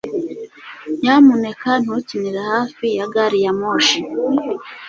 Nyamuneka ntukinire hafi ya gari ya moshi